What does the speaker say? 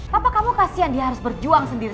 papa kamu kasihan dia harus berjuang sendiri